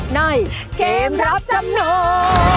ในเกมรับจำนำ